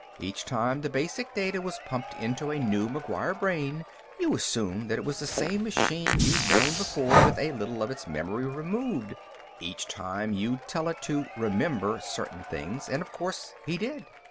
Each time the basic data was pumped into a new McGuire brain, you assumed that it was the same machine you'd known before with a little of its memory removed. Each time, you'd tell it to 'remember' certain things, and, of course, he did.